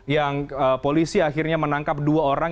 yang polisi akhirnya menangkap dua orang